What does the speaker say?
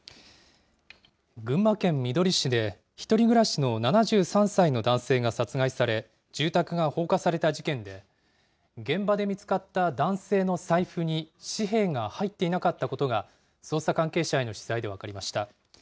群馬県みどり市で、１人暮らしの７３歳の男性が殺害され、住宅が放火された事件で、現場で見つかった男性の財布に紙幣が入っていなかったことが、捜査関係者への取材で分かりました。